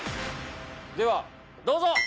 ではどうぞ！